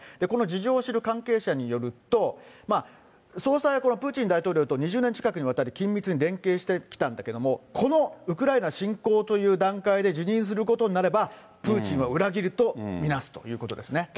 この事情を知る関係者によると、総裁はこのプーチン大統領と２０年近くにわたり、緊密に連携してきたんだけれども、このウクライナ侵攻という段階で辞任することになれば、プーチンは裏切りと見なすということですね。